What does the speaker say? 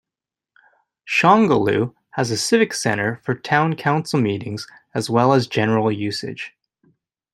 Shongaloo has a civic center for town council meetings as well as general usage.